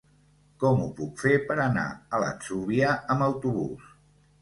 Com ho puc fer per anar a l'Atzúbia amb autobús?